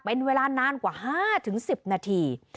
เป็นเวลานานกว่า๕๑๐นาที